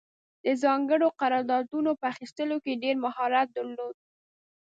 د ځانګړو قراردادونو په اخیستلو کې یې ډېر مهارت درلود.